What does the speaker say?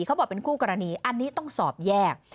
เขาบอกเป็นคู่กรณีอันนี้ต้องสอบแยก